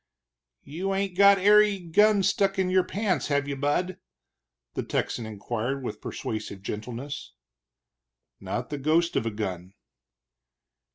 "You ain't got erry gun stuck around in your pants, have you, bud?" the Texan inquired with persuasive gentleness. "Not the ghost of a gun."